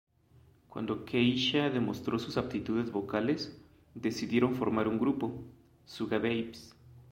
Cuando Keisha demostró sus aptitudes vocales, decidieron formar un grupo, Sugababes.